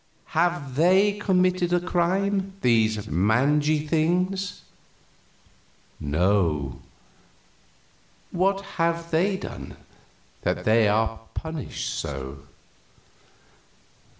Have they committed a crime, these mangy things? No. What have they done, that they are punished so?